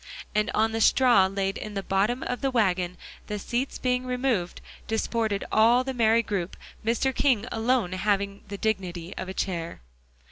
And on the straw laid in the bottom of the wagon, the seats being removed, disported all the merry group, Mr. King alone having the dignity of a chair.